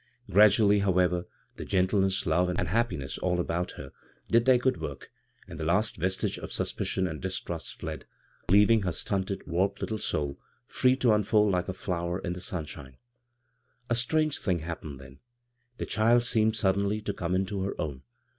Gradually, however, the gentieness, love, and happiness all about h^ did their good wcffk, and the last vestige of suspidon and distrust fled, leaving her stunted, warped little soul free to unfold like a flower in the sunshine. A strange thing happened then. The child seemed suddenly to come into her own.